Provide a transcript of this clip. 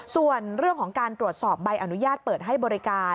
ส่วนเรื่องของการตรวจสอบใบอนุญาตเปิดให้บริการ